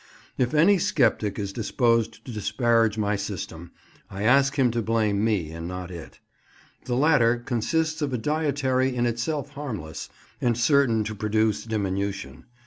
If any sceptic is disposed to disparage my system, I ask him to blame me and not it. The latter consists of a dietary in itself harmless, and certain to produce diminution.